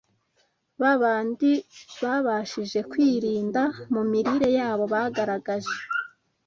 ba bandi babashije kwirinda mu mirire yabo bagaragaje